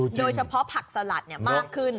โดยเฉพาะผักสลัดเนี่ยมากขึ้น